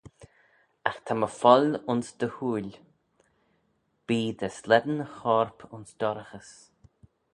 Agh my ta foill ayns dty hooyl, bee dty slane chorp ayns dorraghys.